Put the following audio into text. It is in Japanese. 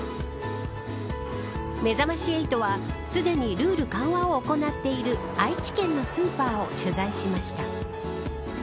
めざまし８はすでにルール緩和を行っている愛知県のスーパーを取材しました。